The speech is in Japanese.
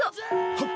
はっ。